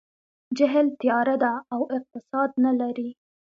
جهل تیاره ده او اقتصاد نه لري.